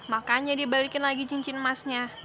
makanya dia balikin lagi cincin emasnya